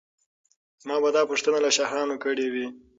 ما به دا پوښتنه له شاهانو کړې وي.